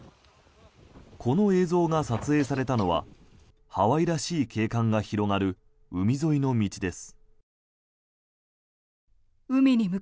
この映像が撮影されたのはハワイらしい景観が広がる海沿いの道です。